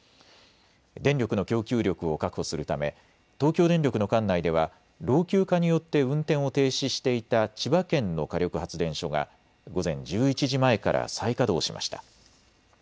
電力の供給力を確保するため東京電力の管内では老朽化によって運転を停止していた千葉県の火力発電所が午前１１時前から再稼働しました。